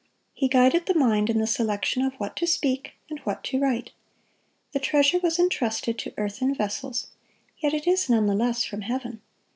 He guided the mind in the selection of what to speak and what to write. The treasure was intrusted to earthen vessels, yet it is, none the less, from Heaven.